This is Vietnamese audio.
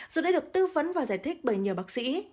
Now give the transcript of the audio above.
dù đã được tư vấn và giải thích bởi nhiều bác sĩ